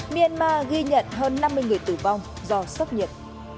myanmar ghi nhận hơn năm mươi người tử vong do sốc nhiệt